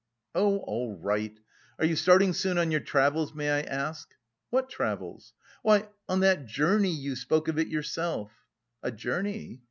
"Oh, all right. Are you starting soon on your travels, may I ask?" "What travels?" "Why, on that 'journey'; you spoke of it yourself." "A journey?